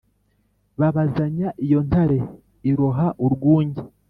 Babazanya iyo ntare iroha urwunge